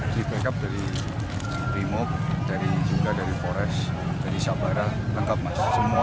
di backup dari brimob dari juga dari polres dari sabara lengkap mas